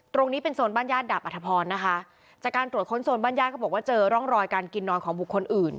ตรงนี้เป็นโซนบ้านญาติดาบอัธพรนะคะจากการตรวจค้นโซนบ้านญาติเขาบอกว่าเจอร่องรอยการกินนอนของบุคคลอื่น